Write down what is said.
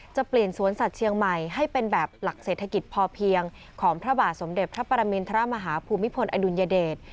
จะเปลี่ยนสวนสัตว์เชียงใหม่ให้เป็นแบบหลักเศรษฐกิจพอเพียงของพระบาทสมเด็จพระปรมินทรมาฮาภูมิพลอดุลยเดช